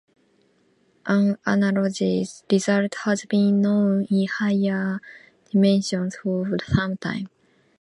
An analogous result has been known in higher dimensions for some time.